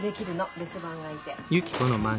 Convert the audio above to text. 留守番がいて。